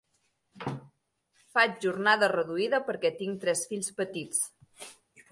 Faig jornada reduïda perquè tinc tres fills petits.